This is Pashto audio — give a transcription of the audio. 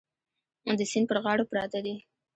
د سیند پر غاړو پراته دي.